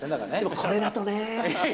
これだとねー。